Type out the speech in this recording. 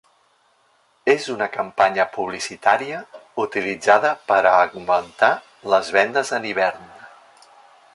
És una campanya publicitària utilitzada per a augmentar les vendes en hivern.